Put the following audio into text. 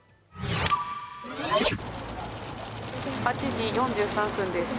午前８時４３分です。